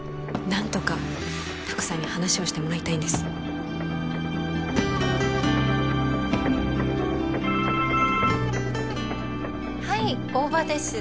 何とか拓さんに話をしてもらいたいんですはい大庭です